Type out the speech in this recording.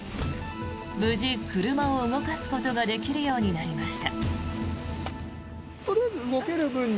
無事、車を動かすことができるようになりました。